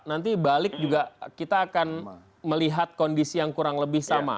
nanti balik juga kita akan melihat kondisi yang kurang lebih sama